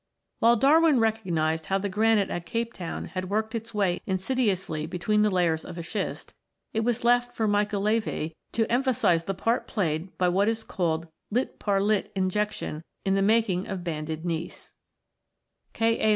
"While Darwin (105) recognised how the granite at Cape Town had worked its way insidiously between the layers of a schist, it was left for Michel Levy to emphasise the part played by what is called lit par lit injection in the making of banded gneiss (sec vi] METAMORPHIC ROCKS 157 p. 120). K. A.